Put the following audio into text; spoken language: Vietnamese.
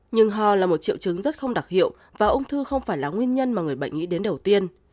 nhưng ho là một triệu chứng rất không đặc hiệu và ung thư không phải là nguyên nhân mà người bệnh nghĩ đến đầu tiên